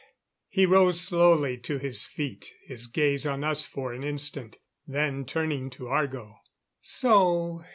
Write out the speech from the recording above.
He rose slowly to his feet, his gaze on us for an instant, then turning to Argo. "So!